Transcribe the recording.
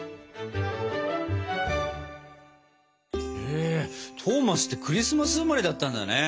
へえトーマスってクリスマス生まれだったんだね。ね。